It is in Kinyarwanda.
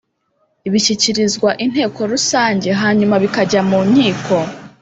bishyikirizwa inteko rusange hanyuma bikajya mu nkiko